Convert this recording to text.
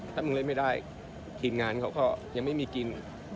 ถ้ามึงเล่นไม่ได้ทีมงานเขาก็ยังไม่มีกิน